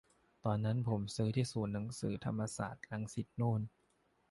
ตอนนั้นผมซื้อที่ศูนย์หนังสือธรรมศาสตร์ รังสิตโน่น